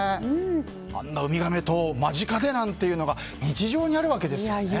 あんなウミガメと間近でなんていうのが日常にあるわけですよね。